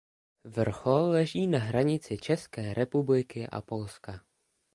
Vrchol leží na hranici České republiky a Polska.